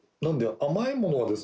甘いものをですね